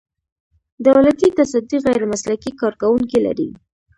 دولتي تصدۍ غیر مسلکي کارکوونکي لري.